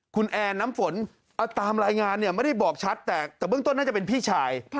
คุณแอนน้ำฝนตามรายงานเนี่ยไม่ได้บอกชัดแต่เบื้องต้นน่าจะเป็นพี่ชาย